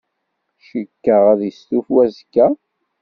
Cikkeɣ ad yestufu azekka.